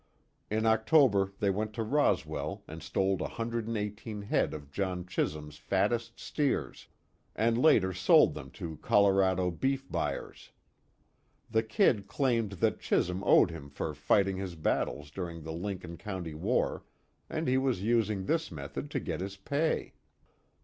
In October they went to Roswell and stole 118 head of John Chisum's fattest steers, and later sold them to Colorado beef buyers. The "Kid" claimed that Chisum owed him for fighting his battles during the Lincoln County war, and he was using this method to get his pay.